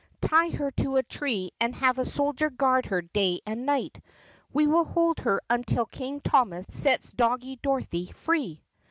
Tie her to a tree and have a soldier guard her day and night. We will hold her until King Thomas sets Doggie Dorothy free."